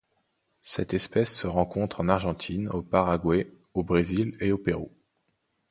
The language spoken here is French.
Cette espèce se rencontre en Argentine, au Paraguay, au Brésil et au Pérou.